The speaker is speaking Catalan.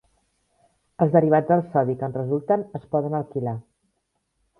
Els derivats del sodi que en resulten es poden alquilar.